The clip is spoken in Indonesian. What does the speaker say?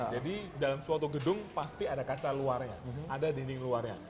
jadi dalam suatu gedung pasti ada kaca luarnya ada dinding luarnya